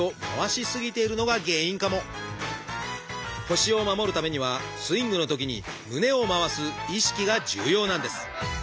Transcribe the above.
腰を守るためにはスイングのときに胸を回す意識が重要なんです！